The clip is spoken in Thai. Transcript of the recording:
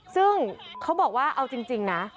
ซึ่งเขาบอกว่าเอาจริงนะ